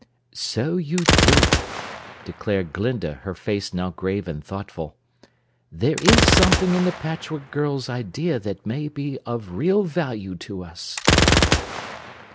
"So you did," declared Glinda, her face now grave and thoughtful. "There is something in the Patchwork Girl's idea that may be of real value to us."